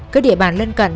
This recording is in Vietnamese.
các địa bàn lân cận